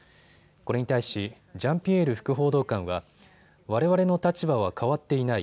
これに対しジャンピエール副報道官は、われわれの立場は変わっていない。